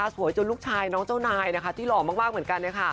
จนลูกชายน้องเจ้านายที่หล่อมากเหมือนกัน